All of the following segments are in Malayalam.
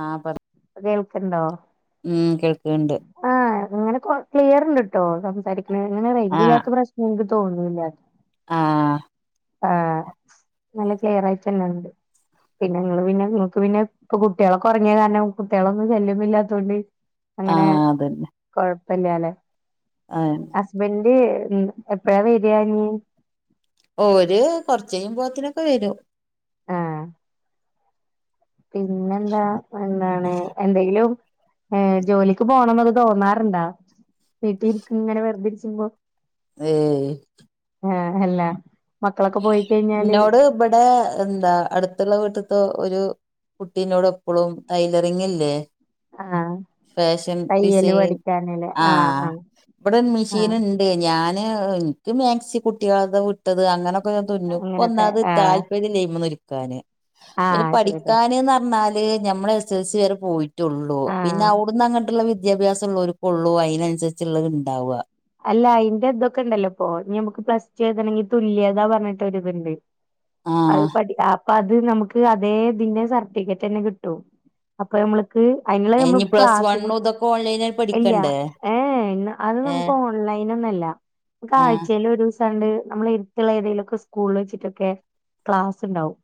ആ പറി കേൾക്ക്ണ്ടോ? ഉ കേൾക്ക്ണ്ട് ആ അങ്ങനെ ക്ലിയർണ്ട് കട്ടോ സംസാരിക്കണ അങ്ങനെ റൈഞ്ചില്ലാത്ത പ്രശ്നം നിക്ക് തോന്നുന്നില്ല ആ ആഹ് നല്ല ക്ലിയർ ആയിട്ടന്നെ ഇ ണ്ട് പിന്നെ നിങ്ങള് പിന്നെ നിങ്ങക്ക് പിന്നെ ഇപ്പൊ കുട്ടിളൊക്കെ ഒറങ്ങിയ കാരണം കുട്ടികളൊന്നും ശല്യമില്ലാത്തോണ്ട് അങ്ങനെ ആഹ് കൊഴപ്പല്ലല്ലേ ആ ഹസ്ബന്ഡ് എപ്പഴാ വരാഞ്ഞി ഓര് കൊറച്ചയ്യുമ്പോത്തിന് ക്കെ വരും ആഹ് പിന്നെന്താ എന്താണ് എന്തെങ്കിലും ഏ ജോലിക്ക് പോകണം ക്കെ തോന്നാറുണ്ടാ വീട്ടിൽ ഇരിക്കു ഇങ്ങനെ വെറുതി ഇരിക്കുമ്പോ. ഏ ആ അല്ല മക്കളൊക്കെ പോയി കഴിഞ്ഞാല് ഇവിടെ എന്താ അടുത്തുള്ള വീട്ടത്ത് ഒരു കുട്ടീനോട് എപളും ടൈലറിങ് ഇല്ലേ. ആഹ് ഫാഷൻ തയ്യല് ഡിസൈൻ പഠിക്കാനല്ലേ ആ ആഹ് ആഹ് ഇവിടെ മെഷീൻ ആഹ് ഇണ്ട് ഏ ഞാന് ഇൻ ക്ക് മാക്സി കുട്ടികളത് വിട്ടത് അങ്ങനെ അങ്ങനൊക്കെ തുന്നുപ്പന്നാത് ആഹ് താല്പര്യംല്ല ആയിമ്മൽ ഇരിക്കാൻ പിന്നെ ആഹ് ശരി പഠിക്കാന് ന്നറിഞ്ഞാല് ഏ ഞമ്മള് എസ് എൽ സി വരെ പോയിറ്റുള്ളൂ പിന്നെ ആഹ് അവുടുന്ന് അങ്ങട്ടുള്ള വിദ്യാഭ്യാസലോർക്കുള്ളു അയിനാൻസരിച്ച ള്ളത് ഇണ്ടാവ അല്ല അയിന്റെ ഇതൊക്കെ ഇണ്ടല്ലോ ഇപ്പോ ഞമ്മക്ക് പ്ലസ് ടു എയ്താണെങ്കി തുല്യതാ പറഞ്ഞിട്ട് ഒര്തണ്ട് അത് ആഹ് പഠി [unintelligible] അപ്പ അത് നമുക്ക് അതേ ഇതിന്റെ സർട്ടിഫിക്കറ്റ് തന്നെ കിട്ടും അപ്പൊ നമ്മള് ക്ക് അയ്നങ്ങളെ നമ്മ ഇനി പ്ലസ് ക്ലാസിലും വണ്ണും ഇതൊക്കെ ഓൺലൈനായി ഇല്ല പഠിക്കണ്ടേ ഏഹഹ് അത് നമുക്ക്. ഏഹ് ഓൺലൈനൊനല്ല. ആഹ് നമുക്കാഴ്ചയിൽ ഒരു സ ണ്ട്. നമ്മൾ എരുത്തുള്ള ഏതെങ്കലുക്കെ സ്കൂളില് വെച്ചിട്ടൊക്കെ ക്ലാസ് ഉണ്ടാവും.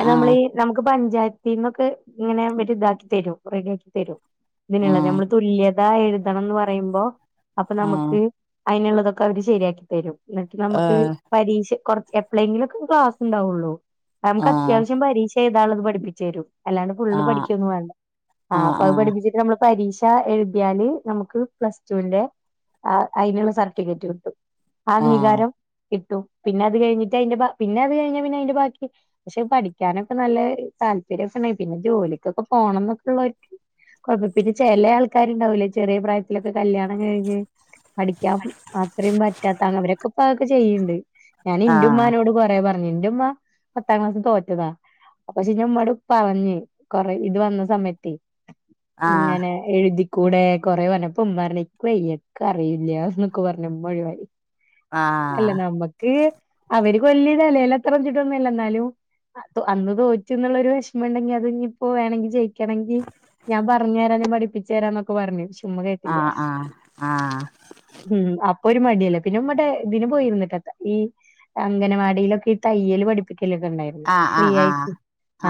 അയിന്നമ്മളി ഈ നമുക്ക് പഞ്ചായത്തിൽന്നൊക്കെ ഇങ്ങനെ വര് ഇതാക്കി തരും. റെഡിയാക്കിതരും. ഇതിനുള്ള ആഹ് നമ്മള് തുല്യത എഴുതണം എന്ന് പറയുമ്പോ. അപ്പൊ നമുക്ക് അയിനുള്ളതൊക്കെ അവര് ശരിയാക്കി തരും. ഇന്നിട്ട് നമുക്ക്, ആഹ് പരീക്ഷ കൊറച്ച് എപ്പളെങ്കിലുംക്കെ ക്ലാസ് ഉണ്ടാവുള്ളൂ. അ നമുക്ക് അത്യാവശ്യം പരീക്ഷ. [unintelligible] ത് പഠപ്പിച്ചു തരും. അല്ലാണ്ട് ഫുള്ള് ആഹ് പഠിക്കൊന്നും വേണ്ട. അ പ്പ അത് പഠിപ്പിച്ചിട്ട് നമ്മള്, പരീക്ഷ എഴുതിയാല് നമുക്ക് പ്ലസ് ടുന്റെ, ആ അയ്നുള്ള സർട്ടിഫിക്കറ്റ് കിട്ടും. ഏഹ് അംഗീകാരം കിട്ടും. പിന്ന അത് കഴിഞ്ഞിട്ട്, അതിന്റെ ബ പിന്നെ അത് കഴിഞ്ഞാ പിന്നെ അതിന്റെ ബാക്കി പക്ഷെ പഠിക്കാനൊക്കെ നല്ല താല്പര്യംക്കെ [unintelligible] പിന്നെ ജോലിക്കൊക്കെ പോണം എന്നൊക്കെള്ളര്, കുഴപ്പം പിന്നെ ചില ആൾക്കാരുണ്ടാവൂലേ, ചെറിയ പ്രായത്തിലൊക്കെ കല്യാണം കഴി ഞ്ഞ്, പഠിക്കാൻ അത്രയും പറ്റാത്ത അവരൊക്കെ ഇപ്പ അതൊക്കെ ചെയ്യണ്ട്. ഞാൻ ആഹ് ആഹ് ഇന്റുമ്മാനോട് കൊറെ പറഞ്ഞു. എന്റുമ്മ പത്താം ക്ലാസ് തോറ്റതാ. പക്ഷെ ഞ മ്മോട് പറഞ്ഞ് കൊറെ ഇത് വന്ന സമയത്തെ. ആഹ് ഇങ്ങനെ എഴുതിക്കൂടെ കൊറെ പറഞ്ഞ പ ഉമ്മാറഞ്ഞ് നക്ക് വയ്യ. ക്കറിയില്ല എന്നൊക്കെ പറഞ്ഞുമ്മ ഒഴിവായി. അല്ല ആഹ് നമ്മ ക്ക് അവര് കൊല്യ നേലേല്തണം ചിട്ടൊന്നുമല്ല. എന്നാലും, അ അന്ന് തോറ്റിന്നുള്ളോരു വിഷമം ഉണ്ടെങ്കി, അത് ഇനിയിപ്പോ വേണങ്കി ജയിക്കണെങ്കി, ഞാൻ പറഞ്ഞരാ ഞാ പഠിപ്പിച്ചരാ ന്നൊക്കെ പറഞ്ഞു. ഉമ്മ ആ കേട്ടില്ല. ആ ആഹ. ഉം. അപ്പൊ ഒരു മടിയല്ലേ. പിന്നെ ഉമ്മ ടെ ഇതിന് പോയിരുന്നിട്ട. ഈ അംഗനവാടിയിലൊക്കെ ഈ തയ്യല് പഠിപ്പിക്കലൊക്കെ ഉണ്ടായിരുന്നു. ഫ്രീ ആയിട്ട്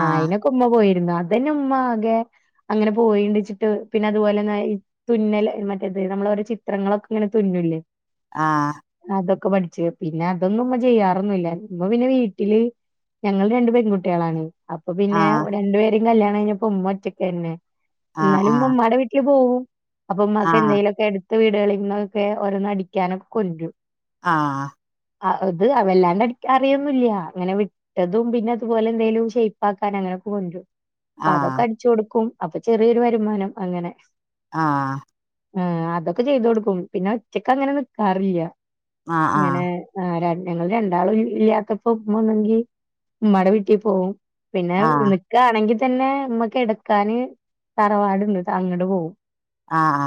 ആയിനൊക്കെ, ക്കുമ്മാ പോയിരുന്ന്‌. അതന്നെ ഉമ്മ ആകെ അങ്ങനെ പോയിണ്ട്ച്ചിട്ട്. പിന്നെ അതുപോലെ തന്നെ ഈ തുന്നല് മറ്റേത് നമ്മളോരോ ചി ത്രങ്ങളൊക്കെ ഇങ്ങനെ തുന്നുല്ലേ. ആഹ. അതൊക്കെ പഠിച്ചു. പിന്നെ അതൊന്നും ഉമ്മ ചെയ്യാറൊന്നുല്ല. ഉമ്മ പിന്നെ വീട്ടില്, ഞങ്ങള് രണ്ട് പെൺകുട്ടികളാണ്. അപ്പൊ പിന്നെ ആഹ് രണ്ടു പേരും കല്യാണം കഴിഞ്ഞപ്പ ഉമ്മ ഒറ്റക്കന്നെ. ആഹ് ആഹ് ആഹ് ആഹ് ആഹ് ആഹ് ആഹ് ആഹ് ആഹ് ആഹ് ആഹ് ആഹ് ആഹ് ആഹ് എന്നാലും ആഹ് ഉമ്മ ഉമ്മാടെ വീട്ടിൽ പോവും. അപ്പൊ ഉമ്മാക്ക് എന്തേങ്കലുമൊക്കെ എടു വീടുകളിന്നൊക്കെ ഓരോന്നടിക്കാനൊക്കെ [unintelligible] ആ അത് അ വെല്ലാണ്ട് അടിക്കാൻ അറിയൊന്നുല്ല. ഇങ്ങനെ വി ഇട്ടതും പിന്നെ അതുപോലെ എന്തെലും ഷേപ്പാക്കാൻ അങ്ങനൊക്കെ വരും. അതൊക്കെ അടിച്ചു കൊടുക്കും. അപ്പൊ ചെറിയൊരു വരുമാനം അങ്ങനെ. ആ. ഏ അതൊക്കെ ചെയ്ത കൊടുക്കും. പിന്നെ ഒറ്റക്ക് അങ്ങനെ നിക്കാറില്ല. ആഹ് ആഹ് ഇങ്ങനെ ആഹ് ആ ര ഞങ്ങൾ രണ്ടാളും ഇല്ലാത്തപ്പോ ഉമ്മ ഒന്നെങ്കി ഉമ്മാടെ വീട്ടിൽ പോവും. പിന്നെ ആഹ് നിക്കാണെങ്കിൽ തന്നെ, ഉമ്മ കെടക്കാന് തറവാടുണ്ട്. അങ്ങട് പോവും. ആ ആ.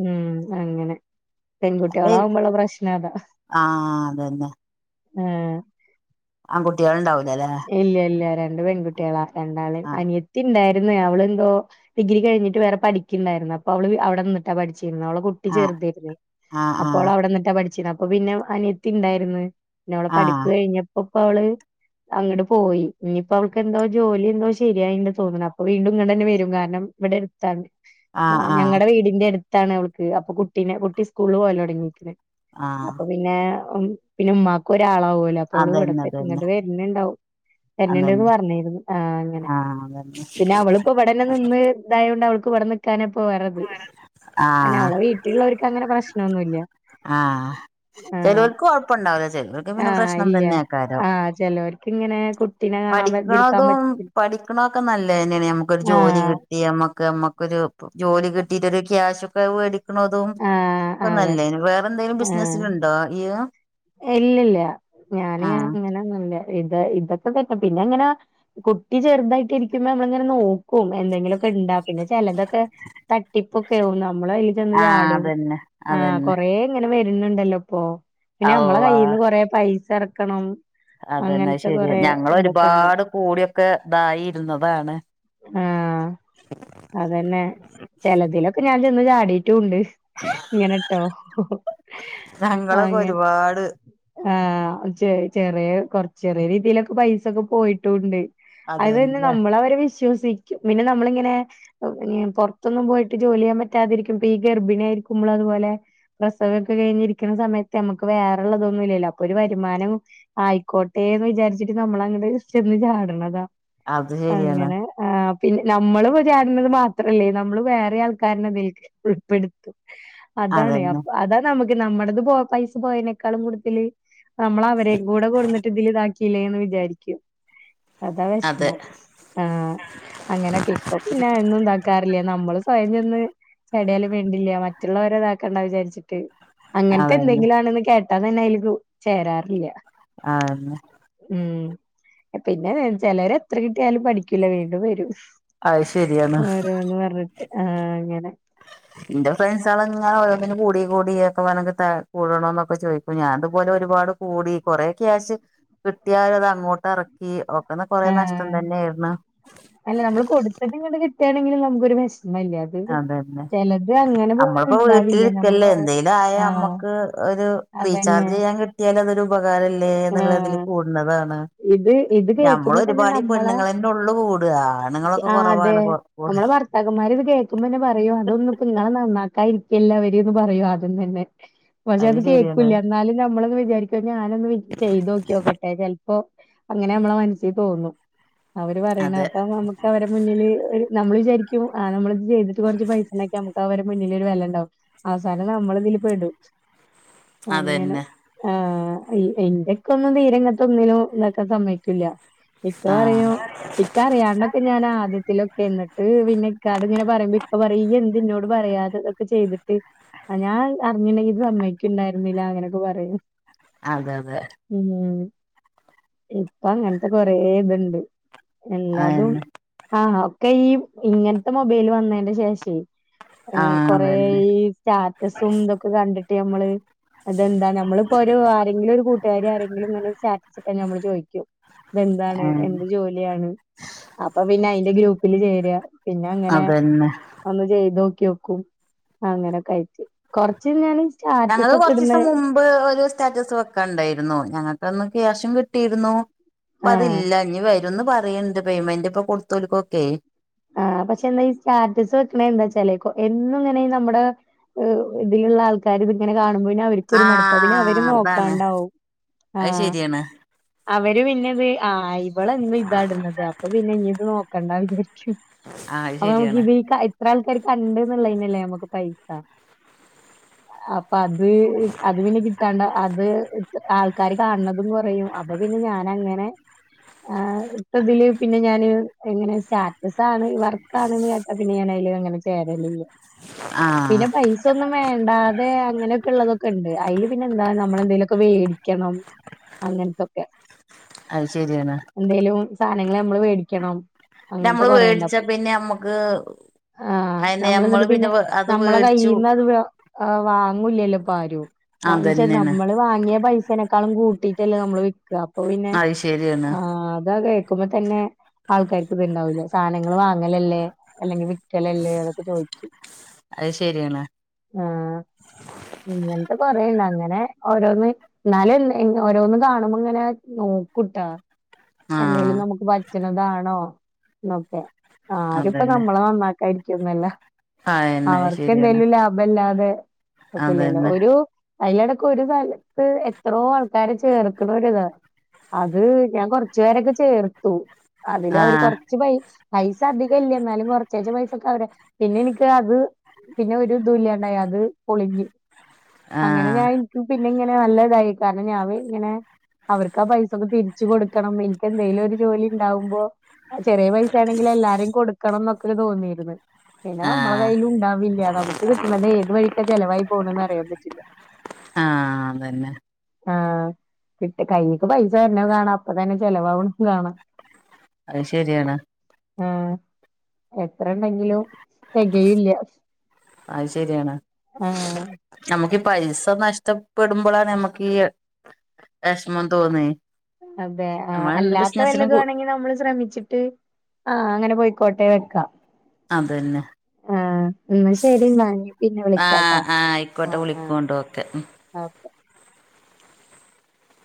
ഉം അങ്ങനെ. അത് പെൺകുട്ടികളാവുമ്പോള്ള പ്രശ്നം അതാ. ആഹ് അതന്നെ ആ. ആൺകുട്ടികള് ണ്ടാവില്ല അല്ലെ? ഇല്ല ഇല്ല രണ്ട് പെൺകുട്ടികളാ, രണ്ടാള്. ആഹ് അനിയത്തി ഇണ്ടായിരുന്നു അവള് എന്തോ ഡിഗ്രി കഴിഞ്ഞിട്ട് വേറെ പഠിക്കണ്ടായിരുന്നു. അപ്പോ അവള് അവിടെന്നിട്ട പഠിച്ചിരുന്നെ. അവള കു ട്ടി ആഹ് ചേർതേര്ന്നേ. ആഹ് അപ്പോ അവള ആഹ് അവിടെന്നിട്ടാ പഠിച്ചിരുന്ന. അപ്പൊ പിന്നെ അനിയത്തി ഇണ്ടായിരിന്ന്. പിന്നെ അവള് പഠിപ്പ് ആഹ് കഴിഞ്ഞപ്പോ ഇപ്പ അവള്, അങ്ങട് പോയി. ഇനിയിപ്പോ അവൾക്ക് എന്തോ ജോലി എന്തോ ശരിയായി തോന്നണം. അപ്പൊ വീണ്ടും ഇങ്ങട് തന്നെ വരും. കാരണം [unintelligible] ആഹ് ആഹ് ഞങ്ങടെ വീടിന്റെ അടുത്താണ് അവൾക്ക് അപ്പൊ കുട്ടീനെ കൂട്ടി സ്കൂളില് പോവല് തുടങ്ങിക്കുന്നത് ആഹ് അപ്പൊ പിന്നെ ഉം പിന്നെ ഉമ്മാക്കും ഒരാളാവുമല്ലോ അപ്പൊ അവള് അതന്നെ വിടെതന്നെ അതന്നെ ഇങ്ങോട്ട് വരുന്നുണ്ടാവും എന്നണ്ടന്ന് അതന്നെ പറഞ്ഞരുന്നു ആ അങ്ങനെ ആഹ് അതന്നെ പിന്നെ അവളിപ്പോ ഇവിടന്നെ നിന്ന് ഇതായോണ്ട് അവൾക്ക് ഇവിടെ നിൽക്കാനപ്പോ വരത് അന്നെ ആഹ് അവള വീട്ടിലുള്ളവർക്ക് അങ്ങനെ പ്രശ്നമൊന്നുമില്ല ആഹ് ചേലോൽക് കൊഴപ്പുണ്ടാവില്ല ചേലോൽക് പിന്നെ ആഹ് പ്രശ്നം ഇല്ല തന്നെയ്ക്കാരം. ആഹ് ചെലോർക്ക് ഇങ്ങനെ കുട്ടിനെ കാണാൻ പ ഇരിക്കാൻ പഠിക്കണതും പറ്റി പഠിക്കണൊക്കെ നല്ലതന്നെയാണ് നമുക്കൊരു ജോലി ആഹ് കിട്ട- യ്യമ്മക്ക് നമ്മക്കൊരു ജോലി കിട്ടിട്ടൊരു ക്യാഷ് ഒക്കെ- ണതും ആഹ് ഇപ്പൊ അതെ നല്ലേ വേറെ എന്തെങ്കലും ബിസിനസിലുണ്ടോ ഈയ് ഇല്ലല്ല ഞാന് അങ്ങനെന്നുല്ല ഇത് ഇതൊക്കെ തന്നെ പിന്നെ അങ്ങനെ കുട്ടി ചെറുതായിട്ട് ഇരിക്കുമ്പോ നമ്മള ഇങ്ങനെ നോക്കും എന്തെങ്കിലും- ക്കിണ്ടാ പിന്നെ ചിലതൊക്കെ തട്ടിപൊക്കെയാകും നമ്മള് അതിൽ ചെന്ന് ആഹ് ചാടും അതന്നെ ആഹ് അതന്നെ കൊറേ ഇങ്ങനെ വരുന്നുണ്ടല്ലോ ഇപ്പൊ പിന്ന നമ്മളെ അള്ളാ കയ്യിൽന്ന് കൊറേ പൈസ ഇറക്കണം. അതെന്നാഅത് ശരി ഞങ്ങള് ഇണ്ട് ഒരുപാട് കൂടിയൊക്കെ ഇതായി ഇരുന്നതാണ് [inaudible] പിന്നെ ചിലതിലൊക്കെ ഞാൻ ചെന്ന് ചാടിട്ടുംണ്ട്. ഇങ്ങനട്ടോ ആങ്ങനെ. കാട് ആഹ് ചെറിയ കൊറച് ചെറിയെ രീതിയിലൊക്കെ പൈസൊക്കെ പോയിട്ടുംണ്ട് അത് തന്നെ അതന്നെ നമ്മള് അവരെ വിശ്വസിക്കും പിന്നെ നമ്മളിങ്ങനെ. പുറത്തൊന്നും പോയിട്ട് ജോലി ചെയ്യാൻ പറ്റാതിരിക്കും പ്പൊ ഈ ഗർഭിണിയാ യിരിക്കുമ്പോൾ അതുപോലെ പ്രസവമൊക്കെ കഴിഞ്ഞിരിക്കുന്ന സമയത്ത് നമുക്ക് വേറെള്ളതൊന്നും ഇല്ലല്ലോ അപ്പൊ ഒരു വരുമാനം ആയിക്കോട്ടെന്ന് വിചാരിച്ചിട്ട് നമ്മൾ അങ്ങട് ചെന്ന് ചാട്ണതാ അത് ശരിയാണ് അങ്ങനെ ആഹ് പിന്നെ നമ്മള്ചാട്ന്നത് മാത്രല്ലേ നമ്മള് വേറെ ആൾക്കാര്നെതിൽ ഉൾപ്പെടു- അതാണ് അതന്നെ അതാ നമ്മുക്ക് നമ്മടത് പോ പൈസ പോയതിനേക്കാളും കൂടതില് നമ്മള് അവരെ കൂടെ കൊടന്നിട്ട് ഇതില് ഇതാക്കില്ലേ എന്ന് വിചാരിക്കും അതാ അതെ വെഷമം. ആഹ് അങ്ങനെയൊക്കെ ഇപ്പൊ പിന്നെ ഒന്നും ഇതാക്കാറില്ല നമ്മള് സ്വയം ചെന്ന്- ചാടിയാലും വേണ്ടില്ല മറ്റുള്ളവരെ ഇതാക്കണ്ട വിചാര്ച്ചിട്ട് അങ്ങൻത്തെ അതന്നെ എന്തെങ്കിലും ആണന്ന് കേട്ടാ തന്നെ അതിൽക്ക് ചേരാറില്ല ആഹ് അതെന്നെ ഉം പിന്നെ ചെലര് എത്ര കിട്ടിയാലും പഠിക്കൂല വീണ്ടും വരും അത് ശരിയാണ് ഓരോന്ന് പറഞ്ഞിട്ട് ആഹ് അങ്ങനെ. ഇന്റെ ഫ്രണ്ട്സാള് ഇങ്ങനെ ഓരോന്നിനും കൂടി കൂടി ഒക്കെ പറഞ് കൂടണോ എന്നൊക്കെ ചോദിക്കും ഞാന അതുപോലെ ഒരുപാട് കൂടി കൊറേ ക്യാഷ് കിട്ടിയാൽ അത് അങ്ങോട്ട് എറ ക്കി ഓക്കന്ന് കൊറേ നഷ്ട്ടം ആഹ് തന്നെയായിരുന്നു. അല്ല നമ്മള് കൊടുത്തിട്ടു ഇങ്ങട്ട് കിട്ട്യാണെണെങ്കിൽ നമുക്ക് ഒരു വെഷമില്ല. അതെന്നെ അമ്മളിപ്പോ ഉണ്ടാവില്ല നമ്മള് വീട്ടിലിരിക്കല്ലേ കൊറേ എന്തെലും ആയാ ആഹ് അമ്മക്ക് ഒരു അതന്നെ റീച്ചാർജ് ചെയ്യാൻ കിട്ടിയാലതൊരു ഉപകാരല്ലേന്ന് ഇള്ളതില് ആഹ് കൂട്ണതാണ്. ഇത് ഇത് ഞമ്മൾ കേക്കുമ്പോ തന്നെ ഒരുപാടി നമ്മളെ പെണ്ണുങ്ങളന്നെള്ളു കൂടാ ആണുങ്ങളൊക്കെ കൊറവാണ് കൊറ കൂടെ ത്തക്കന്മാര് ഇത് കേക്കുമ്പോന്നെ പറയും അതൊന്നും ഇപ്പോ ഇങ്ങെളെ നന്നാക്കാരി ഇല്ല അവര്ന്ന് പറയും ആദ്യം തന്നെ പക്ഷെ അത് കേക്കൂല്ലാ എന്നാലും ഞമ്മളന്ന് വിചാരിക്ക് ക്കെ ഞാനൊന്ന് വി ചെയ്തോക്കിയോക്കട്ടെ ചെലപ്പോ അങ്ങനെ നമ്മളെ മനസ്സി തോന്നും അവര് പറയണ അതെ അപ്പൊ നമ്മക്ക് അവരെ മുന്നില് ഒര് നമ്മൾ വിചാരിക്കും ആഹ് നമ്മള് ത് ചെയ്തിട്ട് കൊറച്ച് പൈസ ഇണ്ടാക്യാ നമുക്ക് അവരെ മുന്നിലൊരു വെല ഇണ്ടാവും അവസാനം നമ്മൾ ഇതില് പെടും. അങ്ങനെ അതന്നെ ആഹ് ഇൻ ഇന്റക്കൊന്നും തീരെ ഇങ്ങട്ട് ഒന്നിലും ഇന്നാക്ക സമ്മയ്ക്കുല്ല ഇക്ക ആഹ് പറയും ഇക്ക അറിയാണ്ടെ [unintelligible] ഞാൻ ആദ്യത്തിലൊക്കെ എന്നിട്ട് പിന്നെക്കാട് ഇങ്ങനെ പറയുമ്പോ ഇക്ക പറയും ഇയ്യെന്തെന്നോട് പറയാതെ ചെയ്തിട്ട് ഞാൻ അറിഞ്ഞിണ്ടെങ്കിത് സമ്മയ്ക്കെണ്ടാർന്നില്ല അങ്ങനൊക്കെ പറയും അതെ അതെ ഉം ഇപ്പ അങ്ങൻത്തെ കൊറെ ഇത്ണ്ട് എല്ലാതും അതന്നെ ആഹ് ഒക്കെ ഈ ഇങ്ങൻത്തെ മൊബൈല് വന്നേന്റെ ശേഷെ ഉം ആഹ് കൊറേ അതന്നെ ഈ സ്റ്റാറ്റസും ഇതൊക്കെ കണ്ടിട്ട് നമ്മള് അതെന്താ ഞമ്മളിപ്പോ ഒരു ആരെങ്കിലും ഒരു കൂട്ടുകാരി ആരെങ്കിലും ഇങ്ങനെ ഒര് സ്റ്റാ ച്ചിട്ട് ഞമ്മള് ചോയിക്കും ഇതെന്താണ് ആഹ് എന്ത് ജോലി [unintelligible] അപ്പൊ പിന്നെ അയിന്റെ ഗ്രൂപ്പില് ചേരാ പിന്നെ അങ്ങനെ അതന്നെ ഒന്ന് ചെയ്ത് നോക്കിയോക്കും അങ്ങനെയൊക്കെ ആയിറ്റ് കൊറച്ച് ഞാൻ ഞങ്ങള് സ്റ്റാറ്റസൊക്കെ ഇട്ണേ കൊറച്ചീസം മുമ്പ് ഒരു സ്റ്റാറ്റസ് വെക്കണ്ടായിരുന്നു ഞങ്ങൾക്കന്ന് ക്യാഷും കിട്ടീരുന്നു പ്പ ആഹ് അതില്ല ഇനി വരുന്ന് പറയണ്ട് പേയ്മെന്റിപ്പൊ കൊടുത്തോല്ക്കൊക്കേ ആഹ് പക്ഷെ എന്നാ ഈ സ്റ്റാറ്റസ് വെക്ക്ണേ എന്താച്ചാലേ എന്നുങ്ങനെ നമ്മട ഇതിലുള്ള ആൾക്കാരിതിങ്ങനെ കാണുമ്പോ പിന്നവരും ക്കൊരു മടുപ്പാ പിന്നവെര് ആഹ് അതാണ് നോക്കാണ്ടാവും അത് ആഹ് ശരിയാണ് അവര് പിന്നെ ഇത് ആ ഇവളെന്നും ഇതാഇടുന്നത് അപ്പൊ പിന്നെ ഇഞ്ഞിത് നോക്കണ്ടാ വിചാരിക്കും ആ അത് അപ്പൊ ശരിയാണ് നമ്മക്കിത് എത്ര ആൾക്കാര് കണ്ട്ന്നിള്ളേയിനല്ലേ നമ്മക്ക് പൈസ അപ്പൊ അത് അത് പിന്നെ കിട്ടാണ്ട അത് ആൾക്കാര് കാണണതും കൊറയും അപ്പൊ പിന്നെ ഞാനങ്ങനെ ഇപ്പോഇതില് പിന്നെ ഞാന് എങ്ങനെ സ്റ്റാറ്റസാണ് വർക്ക് ആണ്ന്ന് കേട്ടാ പിന്നെ ഞാനയില് അങ്ങനെ ചേരലില്ല ആ പിന്നപ്പയിസ് സൊന്നും വേണ്ടാതെ അങ്ങനെക്കെള്ളതൊക്കെണ്ട് അയില് പിന്നെ എന്താ നമ്മളെന്തേലൊക്കെ വേടിക്കണം അങ്ങൻത്തൊക്കെ അത് ശെരിയാണ് എന്തേലും സാധനങ്ങള് ഞമ്മള് വേടിക്കണം അങ്ങൻ മ്മള് വേടിച്ച പിന്നെ നമ്മക്ക് ആഹ് അയിന് നമ്മള് നമ്മള്ന്നട്ട് പിന്നെ അത് നമ്മളെ വേടിച്ചു കയ്യീന്നത് ആഹ് വാങ്ങൂല്ലല്ലോ ഇപ്പആരും എന്ന് വെച്ച അതന്നെയാണ് നമ്മള് വാങ്ങിയ പെെസ് തിനേക്കാളും കൂട്ടിട്ടല്ലേ നമ്മള് വിക്കാ അപ്പൊ പിന്നെ അത് ശരിയാണ് ആഹ് അതാ റേ ക്കുമ്പ തന്നെ ആൾക്കാർക്ക് ഇത്ണ്ടാവൂല്ലേ സാനങ്ങള് വാങ്ങലല്ലേ അല്ലെങ്കി വിക്കലല്ലേ അതൊക്കെ ചോയിച്ചു അത് ശെരിയാണ് ആഹ് ഇങ്ങൻത്തെ കൊറേണ്ട് അങ്ങനെ ഓരോന്ന് ന്നാലെ ഓരോന്ന് കാണുമ്പോങ്ങനെ നോക്കൂട്ടാ ആ എന്തേലും നമുക്ക് പറ്റ്ണതാണോ ന്നൊക്കെ ആരുപ്പോ അതന്നെ നമ്മളെ നന്നാക്കാ ഇരിക്കൊന്നല്ല. അയന്നെ അത് അവർക്ക് ശരിയാണ് എന്തേലും ലാഭല്ലാതെ വെക്കൂലല്ലോ അതന്നെ ഒരു അയിലെടക്ക് ഒരു സ്ഥലത്ത് എത്രോ ആൾക്കാര് ചേർക്ക്ണൊരിത് അത് ഞാൻ കൊറച്ച് പേരൊക്കെ ചേർത്തു ആ അതിലവര് കൊറ ച്ച് പെെ പൈസ അധികല്ല്യ ന്നാലും കൊറച്ചീച്ച പൈസൊക്കെ അവരെ പിന്നെ എനിക്ക് അത് പിന്നെ ഒരുതൂല്യണ്ടായി അത് പൊളിഞ്ഞ് ആ അങ്ങനെ ഞാൻ ഇപ്പ പിന് പിന്നിങ്ങനെ നല്ലതായി കാരണം ഞാവിങ്ങനെ അവർക്ക് ആ പൈസൊക്കെ തിരിച്ചു കൊടുക്കണം എനിക്കെന്തേലും ഒരു ജോലിണ്ടാവുമ്പോ ചെറിയ പെെസേണെങ്കിലും എല്ലാരേം കൊടുക്കണന്നൊക്കെ തോന്നീര്ന്ന് പിന്നെ ആ നമ്മളെ കയ്യിലൂണ്ടാവില്ല നമുക്ക് കിട്ടണത് ഏത് വഴിക്കാ ചെലവായി പോണേന്ന് അറിയാൻ പറ്റില്ല. അത് തന്നെ ആഹ് കിട്ട് കൈയിക്ക് പൈസ വരുന്നേ കാണാം അപ്പതന്നെ ചെലവാവ്ണെ കാണാം അത് ശെരിയാണ് ആഹ് എത്രണ്ടെങ്കിലും തെകയില്ല അത് ശെരിയാണ് ഞമ്മക്ക് ഈ പൈസ നഷ്ടപ്പെടുമ്പളാണ് നമ്മക്ക് ഈ വെഷമം തോന്നെ അതെ ആ അല്ലാത്ത കൂ വെല്ലതുവാണെങ്കി നമ്മള് ശ്രമിച്ചിട്ട് ആ അങ്ങനെ പോയിക്കോട്ടെ വെക്കാ അതെന്നെ. ആ ന്നാശെരി ബാക്കി പിന്നെ ആ വിളിക്കാട്ടാ ആ ആ ആയിക്കോട്ടെ ആ വിളിക്കോണ്ടു ഓക്കെ ഉം ഓക്കേ